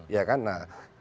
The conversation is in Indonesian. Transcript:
ya kan nah